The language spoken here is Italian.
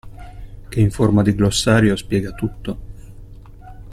Che in forma di glossario spiega tutto.